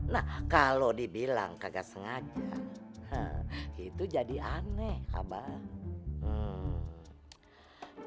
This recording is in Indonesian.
nah kalau dibilang kagak sengaja itu jadi aneh kabar